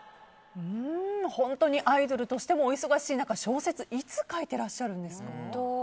本当にアイドルとしてもお忙しい中小説いつ書いてらっしゃるんですか？